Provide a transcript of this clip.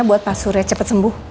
buat pasurnya cepet sembuh